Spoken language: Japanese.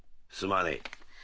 すまねえ。